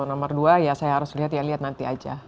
nomor dua ya saya harus lihat ya lihat nanti aja